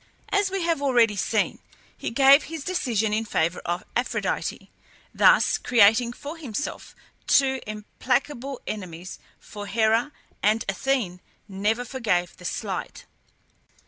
As we have already seen, he gave his decision in favour of Aphrodite; thus creating for himself two implacable enemies, for Hera and Athene never forgave the slight.